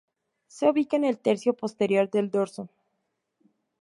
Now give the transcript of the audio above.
Se ubica en el tercio posterior del dorso.